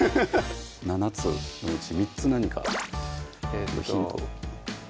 ７つのうち３つ何かヒント